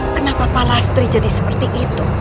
kenapa pak lastri jadi seperti itu